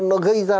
nó gây ra